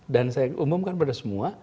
dan saya umumkan kepada semua